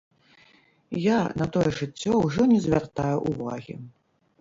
Я на тое жыццё ўжо не звяртаю ўвагі.